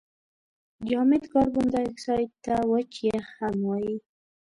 جامد کاربن دای اکساید ته وچ یخ هم وايي.